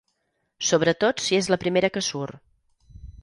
Sobretot si és la primera que surt.